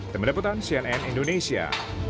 teman teman cnn indonesia